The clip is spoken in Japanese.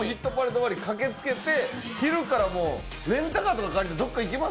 終わりに駆けつけて昼からレンタカーとか借りて、どっか行きます？